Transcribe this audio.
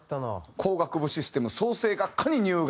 工学部システム創成学科に入学。